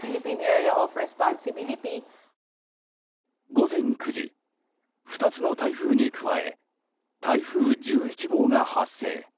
午前９時、２つの台風に加え台風１１号が発生。